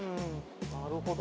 なるほど。